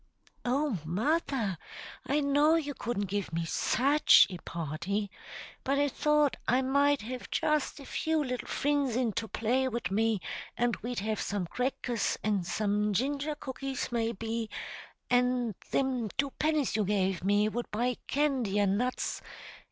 "Oh, mother, I know you couldn't give me such a party. But I thought I might have just a few little frinds in to play wid me, an' we'd have some crackers, an' some ginger cookies maybe; and thim two pinnies you gave me would buy candy an' nuts.